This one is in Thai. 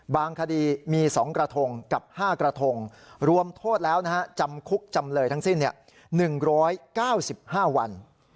คดีมี๒กระทงกับ๕กระทงรวมโทษแล้วจำคุกจำเลยทั้งสิ้น๑๙๕วัน